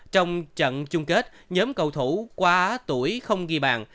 trong trận chung kết nhóm cầu thủ quá tuổi không ghi bàn